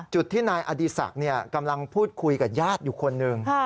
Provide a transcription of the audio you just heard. จุดที่นายอดีศักดิ์กำลังพูดคุยกับญาติอยู่คนหนึ่ง